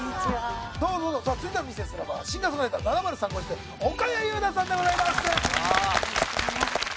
さあ続いてのミセスＬＯＶＥＲはシンガーソングライター７０３号室岡谷柚奈さんでございます。